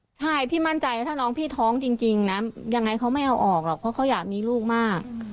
ใช่พี่มั่นใจว่าถ้าน้องพี่ท้องจริงนะยังไงเขาไม่เอาออกหรอกเพราะเขาอยากมีลูกมาก